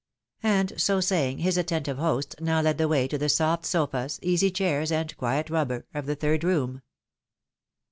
And so saying, his attentive host now led the way to the soft sofas, easy chairs, and quiet rubber of the third room.